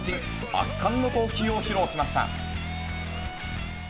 圧巻の投球を披露しました。